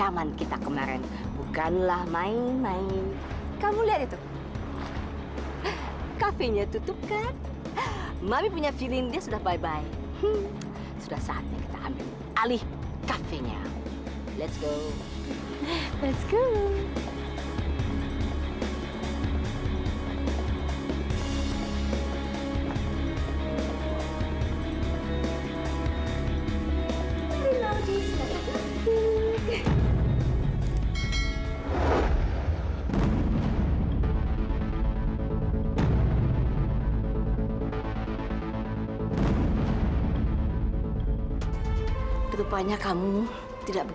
mami punya feeling dia sudah bye bye